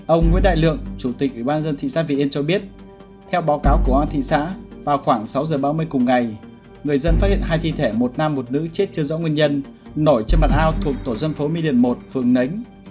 ông nguyễn đại lượng chủ tịch ủy ban dân thị xã việt yên cho biết theo báo cáo của công an thị xã vào khoảng sáu giờ ba mươi cùng ngày người dân phát hiện hai thi thể một nam một nữ chết chưa rõ nguyên nhân nổi trên mặt hao thuộc tổ dân phố mi điền một phường nánh